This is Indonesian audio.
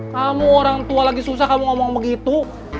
kamu orang tua lagi susah kamu ngomong begitu